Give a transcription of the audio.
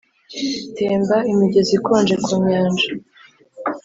temba, imigezi ikonje, ku nyanja,